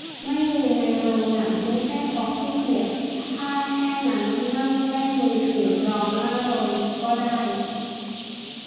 ไม่ยืนในโรงหนังไม่ใช่เพราะขี้เกียจ ถ้าแค่นั้นนั่งเล่นมือถือรอหน้าโรงก็ได้